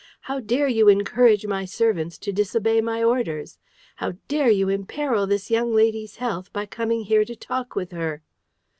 How dare you encourage my servants to disobey my orders? How dare you imperil this young lady's health by coming here to talk with her?"